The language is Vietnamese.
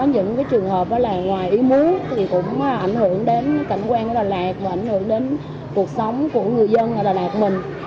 những trường hợp ngoài ý muốn cũng ảnh hưởng đến cảnh quan của đà lạt và ảnh hưởng đến cuộc sống của người dân đà lạt mình